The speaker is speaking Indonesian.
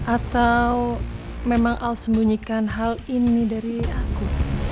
atau memang al sembunyikan hal ini dari aku